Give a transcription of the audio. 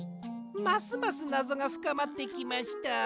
ますますなぞがふかまってきました。